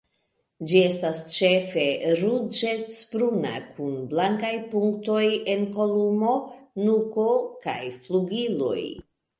Ĝi estas ĉefe ruĝecbruna kun blankaj punktoj en kolumo, nuko kaj flugiloj.